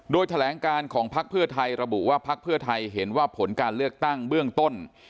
โดยแถลงการของพักเพื่อไทยระบุว่าพักเพื่อไทยเห็นว่าผลการเลือกตั้งเบื้องต้น